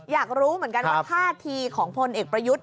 อยากรู้เหมือนกันว่าท่าทีของพลเอกประยุทธ์